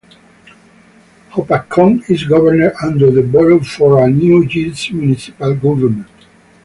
Hopatcong is governed under the Borough form of New Jersey municipal government.